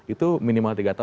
itu minimal tiga tahun